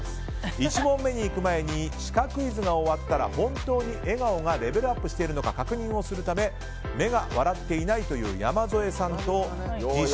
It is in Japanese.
１問目に行く前にシカクイズが終わったら本当に笑顔がレベルアップするか確認をするため目が笑っていないという山添さんと自称